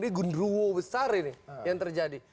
ini gundruwo besar ini yang terjadi